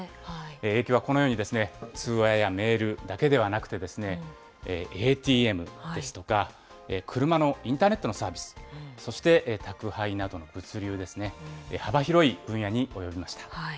影響はこのように、通話やメールだけではなくて、ＡＴＭですとか、車のインターネットのサービス、そして宅配などの物流ですね、幅広い分野に及びました。